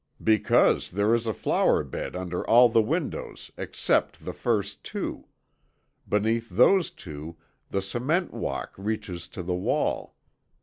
"Because there is a flower bed under all the windows except the first two. Beneath those two the cement walk reaches to the wall.